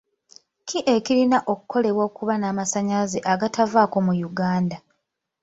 Ki ekirina okukolebwa okuba n'amasannyalaze agatavaavaako mu Uganda?